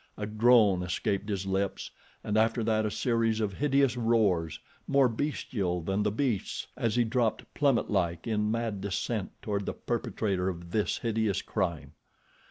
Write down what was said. A groan escaped his lips, and after that a series of hideous roars, more bestial than the beasts', as he dropped plummet like in mad descent toward the perpetrator of this hideous crime.